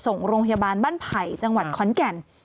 ส่งโรงพยาบาลบ้านไผ่จังหวัดขอนแก่น